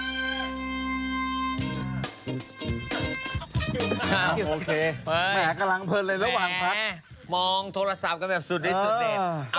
โอเคแหมกำลังเพลินเลยระหว่างพักมองโทรศัพท์กันแบบสุดที่สุดเด็ด